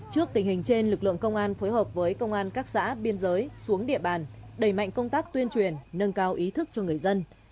trước tình hình trên lực lượng công an phối hợp với công an các xã biên giới xuống địa bàn đẩy mạnh công tác tuyên truyền nâng cao ý thức cho người dân